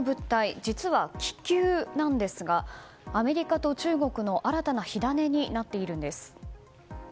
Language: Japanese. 実は気球なんですがアメリカと中国の新たな火種になっているんです。